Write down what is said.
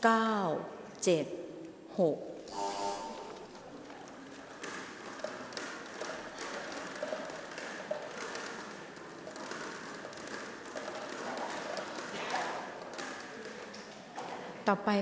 ออกรางวัลเลขหน้า๓ตัวครั้งที่๒